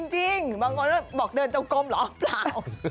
จริงบอกเดินต้องก้มเหรอเปล่า